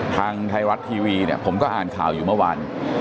ทางไทยรัตน์ทีวีผมก็อ่านข่าวอยู่เมื่อวัน